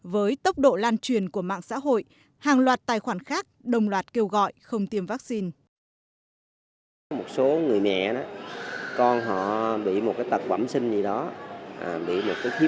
với tốc độ lan truyền của mạng xã hội hàng loạt tài khoản khác đồng loạt kêu gọi không tiêm vaccine